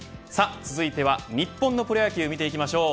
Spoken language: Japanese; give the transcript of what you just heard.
続いては日本のプロ野球見ていきましょう。